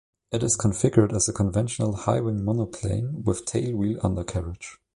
It is configured as a conventional high-wing monoplane with tailwheel undercarriage.